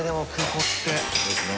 そうですね。